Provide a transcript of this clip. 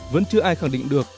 vẫn chưa ai khẳng định được